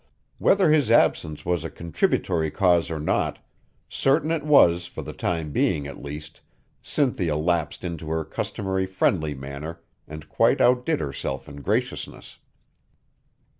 Whether his absence was a contributory cause or not, certain it was that for the time being at least Cynthia lapsed into her customary friendly manner and quite outdid herself in graciousness.